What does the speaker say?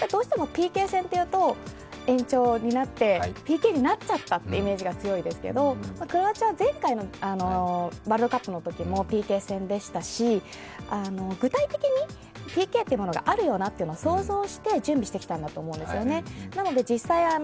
どうしてもＰＫ戦というと延長になって、ＰＫになっちゃったというイメージが強いですけれどもクロアチアは前回のワールドカップのときもＰＫ戦でしたし、具体的にＰＫというものがあるよなということは想像して準備してきたんだと思うんですよね。